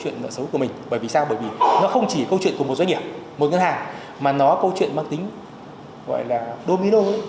nó không chỉ là câu chuyện của một doanh nghiệp một ngân hàng mà nó là câu chuyện mang tính gọi là domino